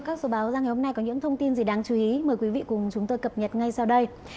các số báo ra ngày hôm nay có những thông tin gì đáng chú ý mời quý vị cùng chúng tôi cập nhật ngay sau đây